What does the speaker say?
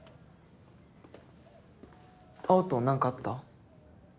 青と何かあった？